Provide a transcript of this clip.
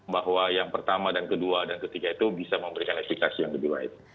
bahwa yang pertama dan kedua dan ketiga itu bisa memberikan efekasi yang lebih baik